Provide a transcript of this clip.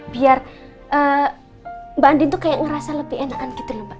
biar mbak andin tuh kayak ngerasa lebih enakan gitu loh mbak